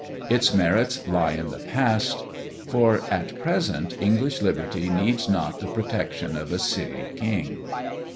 Its merits lie in the past; for at present English liberty needs not the protection of a City king.